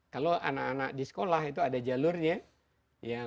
kalau anak anak di sekolah itu ada jalurnya